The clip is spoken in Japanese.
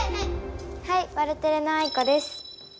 はいワルテレのあいこです。